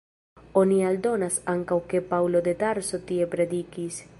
Oni aldonas ankaŭ ke Paŭlo de Tarso tie predikis.